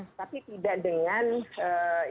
data itu tapi tidak dengan trouver bahwa dia harumin risks